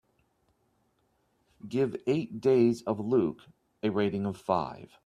Give Eight Days of Luke a rating of five.